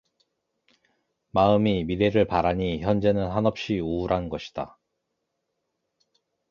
마음이 미래를 바라니 현재는 한없이 우울한 것이다.